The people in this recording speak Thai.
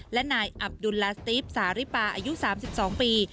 และนายอับดุลลาสติฟสาริปาอายุ๓๒ปี